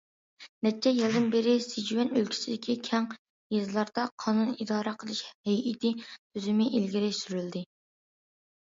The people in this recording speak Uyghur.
نەچچە يىلدىن بېرى، سىچۈەن ئۆلكىسىدىكى كەڭ يېزىلاردا قانۇن ئىدارە قىلىش ھەيئىتى تۈزۈمى ئىلگىرى سۈرۈلدى.